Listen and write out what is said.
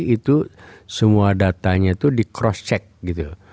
itu semua datanya itu di cross check gitu